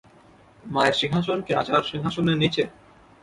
মায়ের সিংহাসন কি রাজার সিংহাসনের নীচে?